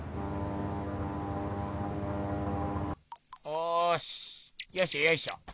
おしよいしょよいしょ。